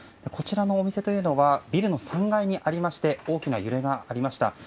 こちらのお店はビルの３階にありまして大きな揺れがありました。